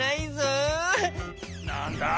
なんだ！